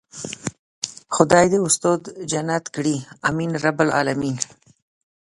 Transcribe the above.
خدای دې استاد جنت کړي آمين يارب العالمين.